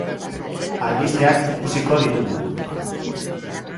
Albisteak ikusiko ditugu.